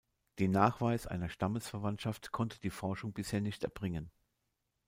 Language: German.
Den Nachweis einer Stammesverwandtschaft konnte die Forschung bisher nicht erbringen.